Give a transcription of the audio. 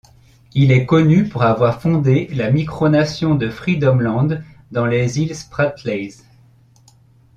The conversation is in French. Il est connu pour avoir fondé la micronation de Freedomland dans les îles Spratleys.